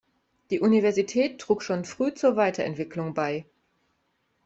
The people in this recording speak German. Die Universität trug schon früh zur Weiterentwicklung bei.